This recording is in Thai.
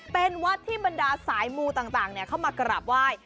เป็นวัดที่บรรดาสายมูต่างเข้ามากราบไหว้